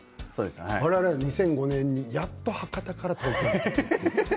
我々は２００５年にやっと博多から東京に出てきたの。